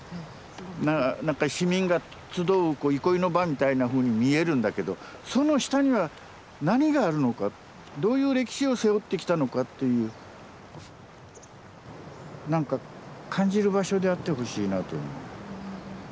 なんか市民が集う憩いの場みたいなふうに見えるんだけどその下には何があるのかどういう歴史を背負ってきたのかっていうなんか感じる場所であってほしいなと思う。